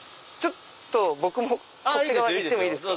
僕もそっち行っていいですか？